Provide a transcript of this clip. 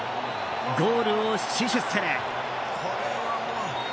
ゴールを死守する。